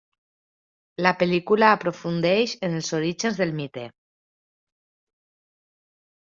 La pel·lícula aprofundeix en els orígens del mite.